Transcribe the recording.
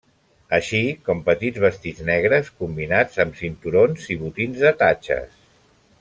Així com petits vestits negres combinats amb cinturons i botins de tatxes.